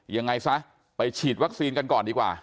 ยังไงซะไปฉีดวัคซีนกันก่อนดีกว่า